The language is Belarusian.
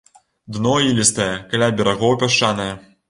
Дно ілістае, каля берагоў пясчанае.